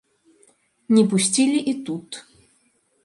Не пусцілі і тут.